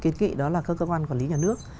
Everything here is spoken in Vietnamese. kiến kỵ đó là các cơ quan quản lý nhà nước